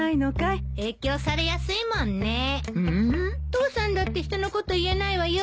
父さんだって人のこと言えないわよ。